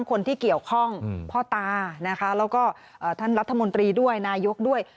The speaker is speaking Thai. คนที่เกี่ยวข้องพ่อตานะคะแล้วก็ท่านรัฐมนตรีด้วยนายกด้วย